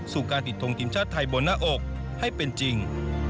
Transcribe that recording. การติดทงทีมชาติไทยบนหน้าอกให้เป็นจริง